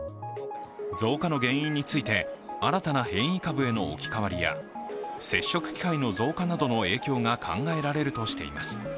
増加の原因について、新たな変異株への置き換わりや接触機会の増加などの影響が考えられるとしています。